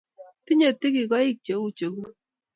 Tinye tigikoik che u cheguk